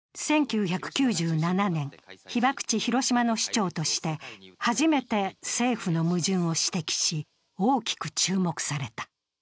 １９９７年、被爆地・広島の市長として初めて政府の矛盾を指摘し、大きく注目された。